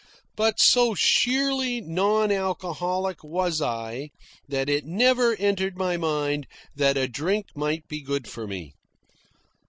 But so sheerly non alcoholic was I that it never entered my mind that a drink might be good for me.